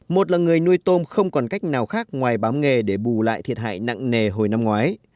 một là người nuôi tôm không còn cách nào khác ngoài bám nghề để bù lại thiệt hại nặng nề hồi năm ngoái